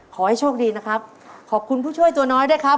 ขอให้โชคดีนะครับขอบคุณผู้ช่วยตัวน้อยด้วยครับ